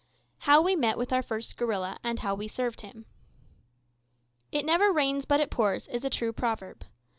HOW WE MET WITH OUR FIRST GORILLA, AND HOW WE SERVED HIM. "It never rains but it pours," is a true proverb.